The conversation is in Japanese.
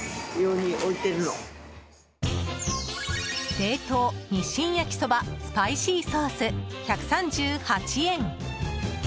冷凍日清焼そばスパイシーソース、１３８円。